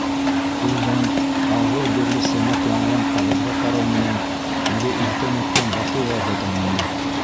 Ҡулдан арлы-бирле сыймаҡланған ҡағыҙға ҡарау менән үҙе иртән үткән баҫыуҙарҙы таныны.